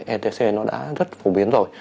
etc nó đã rất phổ biến rồi